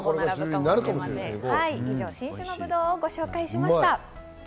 以上、新種のブドウをご紹介しました。